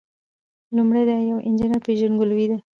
لومړی د یو انجینر پیژندګلوي ده.